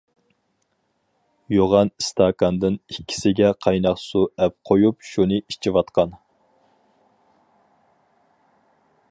يوغان ئىستاكاندىن ئىككىسىگە قايناق سۇ ئەپ قويۇپ شۇنى ئىچىۋاتقان.